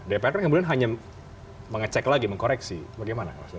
dpr kan kemudian hanya mengecek lagi mengkoreksi bagaimana